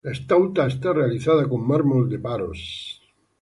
La estatua está realizada con mármol de Paros.